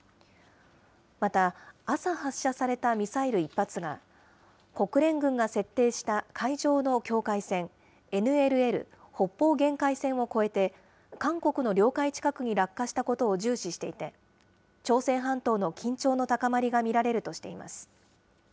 また、朝発射されたミサイル１発が、国連軍が設定した海上の境界線、ＮＬＬ・北方限界線を越えて、韓国の領海近くに落下したことを重視していて、朝鮮半島の緊張の高まりが見られるとしています。